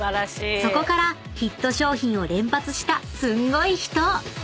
［そこからヒット商品を連発したすんごい人！］